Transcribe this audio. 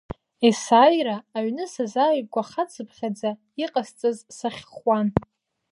Есааира аҩны сазааигәахацыԥхьаӡа, иҟасҵаз сахьхәуан.